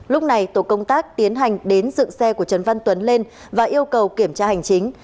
lúc này tổ công tác tiến hành đến dựng xe của trần văn tuấn lên và yêu cầu kiểm tra hành chính